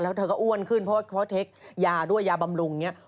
แล้วเธอก็อ้วนขึ้นเพราะเทคยาด้วยยาบำรุงอย่างนี้